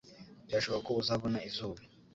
birashoboka ko uzabona izuba